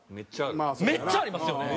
めっちゃありますよね。